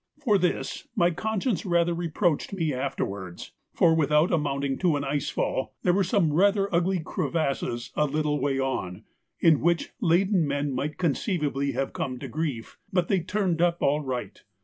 For this my conscience rather reproached me afterwards, for, without amounting to an ice fall, there were some rather ugly crevasses a little way on, in which laden men might conceivably have come to grief, but they turned up all right.